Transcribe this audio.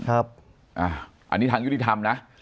อันนี้ทางยุติธรรมนะ